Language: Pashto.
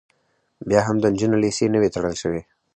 بیا هم د نجونو لیسې نه وې تړل شوې